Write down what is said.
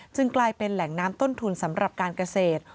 กลายเป็นแหล่งน้ำต้นทุนสำหรับการเกษตร